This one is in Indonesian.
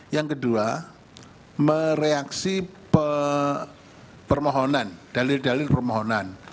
yang kedua mereaksi permohonan dalil dalil permohonan